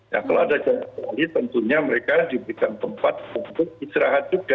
ya kalau ada jam operasi tentunya mereka diberikan tempat untuk istirahat juga